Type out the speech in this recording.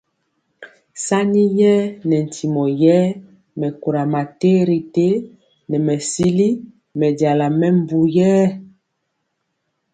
Sani yɛɛ nɛ ntimɔ yɛé mɛkora ma terité nɛ mɛsili mɛ jala nɛ mbu yɛɛ.